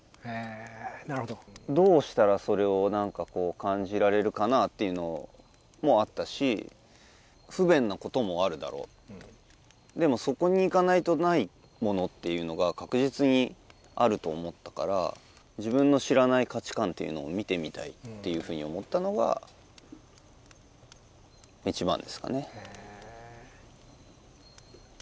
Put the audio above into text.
へえなるほどどうしたらそれを何かこう感じられるかなっていうのもあったし不便なこともあるだろうでもそこに行かないとないものっていうのが確実にあると思ったから自分の知らない価値観っていうのを見てみたいっていうふうに思ったのが一番ですかね